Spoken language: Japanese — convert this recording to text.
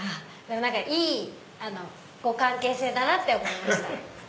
いいご関係性だなって思いました。